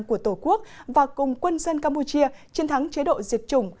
của tổ quốc và cùng quân dân campuchia chiến thắng chế độ diệt chủng